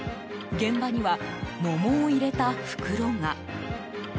現場には桃を入れた袋が。